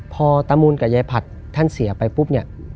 พอตามูลกับยายผัดท่านเสียไปปุ๊บเนี่ย